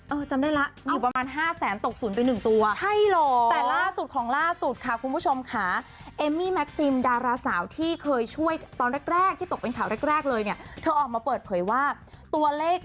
เออจำได้แล้วมีอยู่ประมาณ๕แสนตกศูนย์เป็น๑ตัว